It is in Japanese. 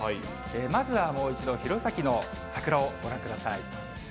まずはもう一度、弘前の桜をご覧ください。